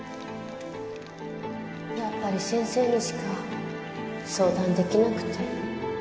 やっぱり先生にしか相談出来なくて。